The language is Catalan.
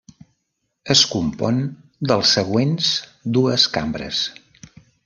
Es compon dels següents dues cambres.